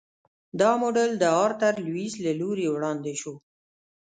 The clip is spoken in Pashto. دا موډل د آرتر لویس له لوري وړاندې شو.